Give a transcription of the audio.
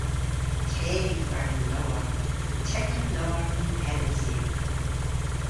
Teg yw agan lowarth. An tekka lowarth yn Hellys yw.